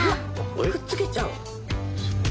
うわっくっつけちゃう？